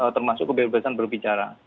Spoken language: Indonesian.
termasuk kebebasan berbicara